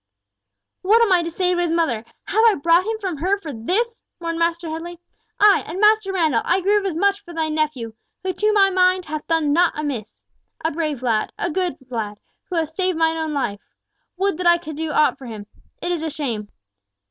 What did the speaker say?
"What am I to say to his mother? Have I brought him from her for this?" mourned Master Headley. "Ay, and Master Randall, I grieve as much for thy nephew, who to my mind hath done nought amiss. A brave lad! A good lad, who hath saved mine own life. Would that I could do aught for him! It is a shame!"